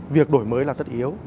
việc đổi mới là tất yếu